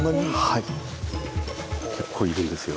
はい結構いるんですよ。